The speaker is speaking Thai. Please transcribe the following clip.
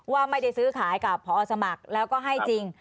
ว่าไม่ได้ซื้อขายกับพอสมัครแล้วก็ให้จริง